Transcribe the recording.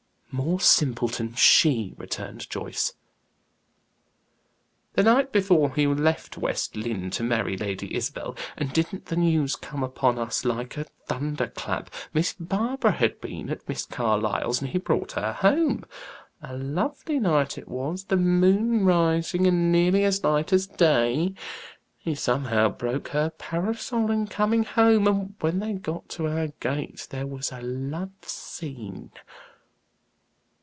"More simpleton she," returned Joyce. "The night before he left West Lynne to marry Lady Isabel and didn't the news come upon us like a thunderclap! Miss Barbara had been at Miss Carlyle's and he brought her home. A lovely night it was, the moon rising, and nearly as light as day. He somehow broke her parasol in coming home, and when they got to our gate there was a love scene."